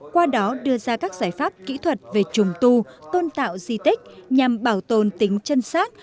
qua đó đưa ra các giải pháp kỹ thuật về trùng tu tôn tạo di tích nhằm bảo tồn tính chân sát